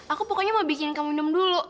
aku pokoknya mau bikin kamu minum dulu